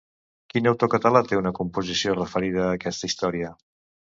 Quin autor català té una composició referida a aquesta història?